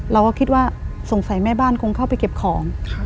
เราก็คิดว่าสงสัยแม่บ้านคงเข้าไปเก็บของ